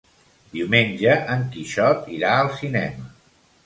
Diumenge en Quixot irà al cinema.